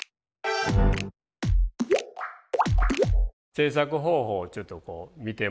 制作方法をちょっとこう見てもらいますけど。